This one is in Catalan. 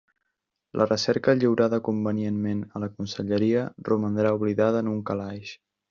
La recerca, lliurada convenientment a la Conselleria, romandrà oblidada en un calaix.